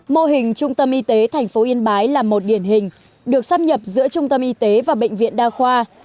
mô hình trung tâm y tế tp yên bái là một điển hình được sắp nhập giữa trung tâm y tế và bệnh viện đa khoa